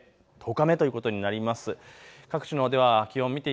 あすで１０日目ということになります。